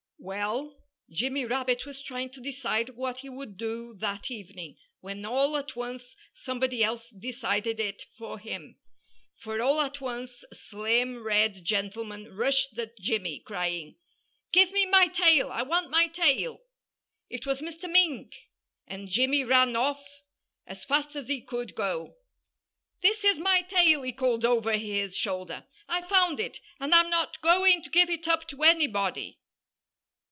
Well, Jimmy Rabbit was trying to decide what he would do that evening, when all at once somebody else decided it for him. For all at once a slim, red gentleman rushed at Jimmy, crying, "Give me my tail! I want my tail!" It was Mr. Mink! And Jimmy Rabbit ran off as fast as he could go. "This is my tail!" he called over his shoulder. "I found it. And I'm not going to give it up to anybody."